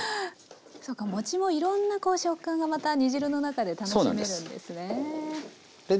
そうか餅もいろんなこう食感がまた煮汁の中で楽しめるんですね。